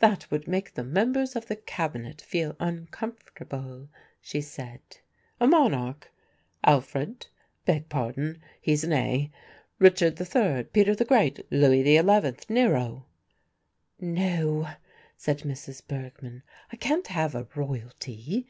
"That would make the members of the Cabinet feel uncomfortable," she said. "A Monarch? Alfred; beg pardon, he's an A. Richard III., Peter the Great, Louis XI., Nero?" "No," said Mrs. Bergmann. "I can't have a Royalty.